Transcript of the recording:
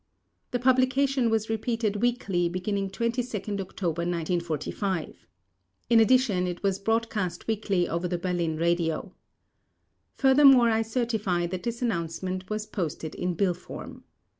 The publication was repeated weekly beginning 22nd October 1945. In addition it was broadcast weekly over the Berlin radio. Furthermore I certify that this announcement was posted in bill form.